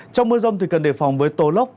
trong mưa rông thì cần đề phòng với tố lốc